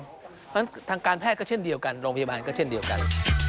เพราะฉะนั้นทางการแพทย์ก็เช่นเดียวกันโรงพยาบาลก็เช่นเดียวกัน